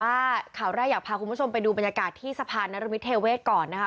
ว่าข่าวแรกอยากพาคุณผู้ชมไปดูบรรยากาศที่สะพานนรมิทเทเวศก่อนนะคะ